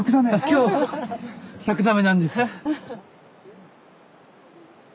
今日１００座目なんですよ。